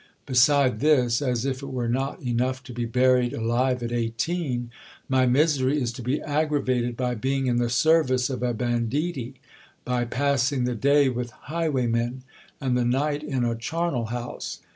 Beside this, as if it were not enough to be buried alive at eighteen, my misery is to be aggravated by being in the service of a banditti ; by passing the day with highwaymen, and the night in a charnel house.